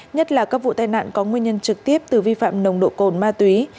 nhất là các vụ tai nạn có nguyên nhân trực tiếp từ vi phạm nồng độ cồn ma túy